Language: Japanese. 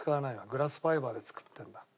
グラスファイバーで作ってるんだ。